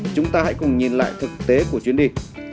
chúng ta hãy cùng nhìn lại thực tế của chuyến đi